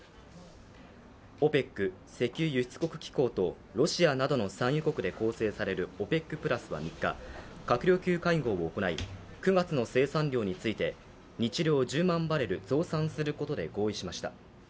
ＯＰＥＣ＝石油輸出国機構とロシアなどの産油国で構成されるＯＰＥＣプラスは３日、閣僚級会合を行い、９月の生産量について、日量１０万バレル増産することで合意しました。